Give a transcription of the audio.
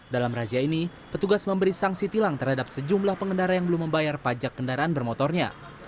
dalam razia ini petugas memberi sanksi tilang terhadap sejumlah pengendara yang belum membayar pajak kendaraan bermotornya